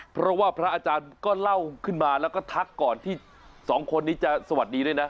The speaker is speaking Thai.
เพราะว่าพระอาจารย์ก็เล่าขึ้นมาแล้วก็ทักก่อนที่สองคนนี้จะสวัสดีด้วยนะ